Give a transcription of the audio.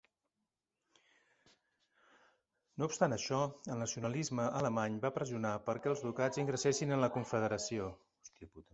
No obstant això, el nacionalisme alemany va pressionar perquè els ducats ingressessin en la Confederació.